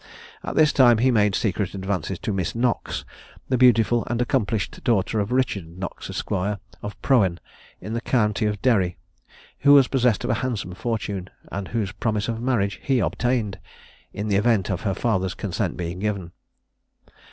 At this time he made secret advances to Miss Knox, the beautiful and accomplished daughter of Richard Knox, Esq. of Prohen in the county of Derry, who was possessed of a handsome fortune, and whose promise of marriage he obtained, in the event of her father's consent being given.